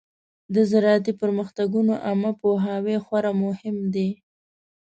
د زراعتي پرمختګونو عامه پوهاوی خورا مهم دی.